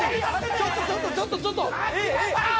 ちょっとちょっとちょっとちょっとえっ？えっ？